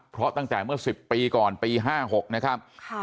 เพราะตั้งแต่เมื่อ๑๐ปีก่อนปี๕๖นะครับ